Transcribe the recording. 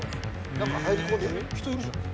中入り込んでる。